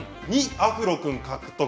２アフロ君獲得。